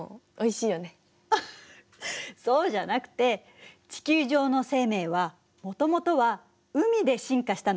そうじゃなくて地球上の生命はもともとは海で進化したの。